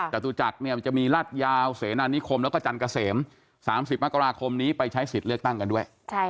จตุจักรเนี่ยมันจะมีลาดยาวเสนานิคมแล้วก็จันเกษม๓๐มกราคมนี้ไปใช้สิทธิ์เลือกตั้งกันด้วย